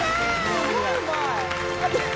すごいうまい。